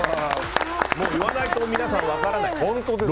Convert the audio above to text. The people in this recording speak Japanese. もう言わないと皆さん分からない。